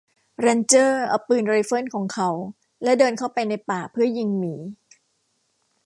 แรนเจอร์เอาปืนไรเฟิลของเขาและเดินเข้าไปในป่าเพื่อยิงหมี